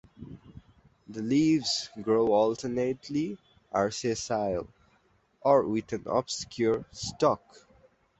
The leaves grow alternately are sessile or with an obscure stalk.